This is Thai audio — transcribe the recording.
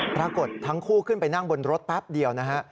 ปรากฏทั้งคู่ขึ้นไปนั่งบนรถแป๊บเดียวนะฮะ